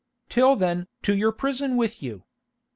Till then to your prison with you.